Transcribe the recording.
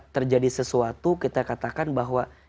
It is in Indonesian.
terjadi sesuatu kita katakan bahwa